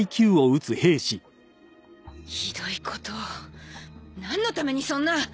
ひどいことをなんのためにそんな！